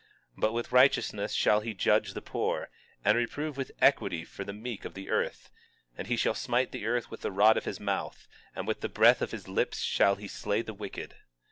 21:4 But with righteousness shall he judge the poor, and reprove with equity for the meek of the earth; and he shall smite the earth with the rod of his mouth, and with the breath of his lips shall he slay the wicked.